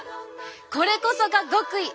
これこそが極意。